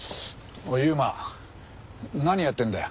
おいユウマ何やってんだよ？